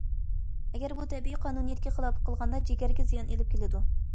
ئەگەر بۇ تەبىئىي قانۇنىيەتكە خىلاپلىق قىلغاندا، جىگەرگە زىيان ئېلىپ كېلىدۇ.